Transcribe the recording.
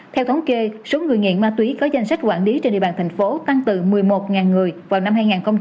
theo thống kê số người nghiện ma túy có danh sách quản lý trên địa bàn thành phố tăng từ một mươi một người vào năm hai nghìn hai mươi